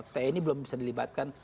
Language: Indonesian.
tni belum bisa dilibatkan